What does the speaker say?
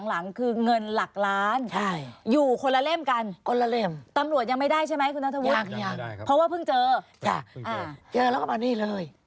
เจอแล้วก็มานี่เลย